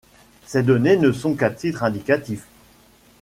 Ces données ne sont qu'à titre indicatif.